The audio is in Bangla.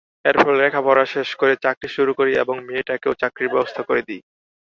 এরপর লেখাপড়া শেষ করে চাকরি শুরু করি এবং মেয়েটাকেও চাকরির ব্যবস্থা করে দিই।